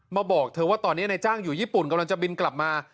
บอกเธอว่าตอนนี้นายจ้างอยู่ญี่ปุ่นกำลังจะบินกลับมา